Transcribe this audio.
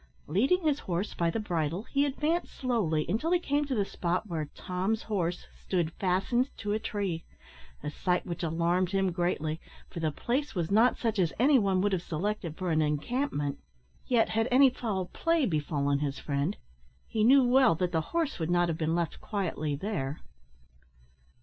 Leading his horse by the bridle, he advanced slowly until he came to the spot where Tom's horse stood fastened to a tree, a sight which alarmed him greatly, for the place was not such as any one would have selected for an encampment, yet had any foul play befallen his friend, he knew well that the horse would not have been left quietly there.